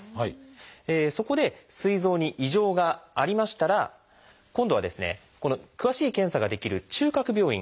そこですい臓に異常がありましたら今度は詳しい検査ができる中核病院。